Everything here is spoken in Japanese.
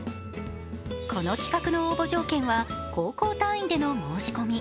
この企画の応募条件は高校単位での申し込み。